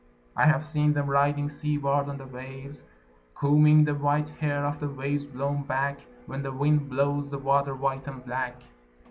I have seen them riding seaward on the waves Combing the white hair of the waves blown back When the wind blows the water white and black.